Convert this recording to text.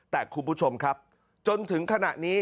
แต่คุณผู้ชมครับจนถึงขณะนี้